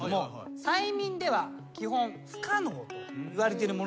催眠では基本不可能といわれているものですね。